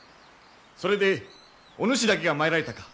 それでお主だけが参られたか。